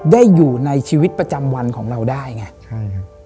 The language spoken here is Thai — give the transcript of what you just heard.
ได้อยู่ในชีวิตประจำวันของเราได้ไง